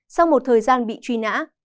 sau một thời gian bị truy nã